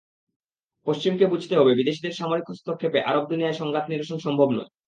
পশ্চিমকে বুঝতে হবে, বিদেশিদের সামরিক হস্তক্ষেপে আরব দুনিয়ার সংঘাত নিরসন সম্ভব নয়।